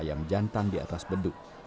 ayam jantan di atas beduk